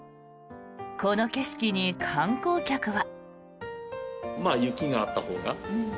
この景色に観光客は。